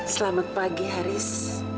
selamat pagi haris